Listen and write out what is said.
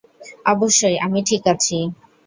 অবশ্যই আমি ঠিক আছি।